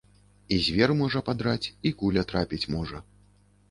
І звер можа падраць, і куля трапіць можа.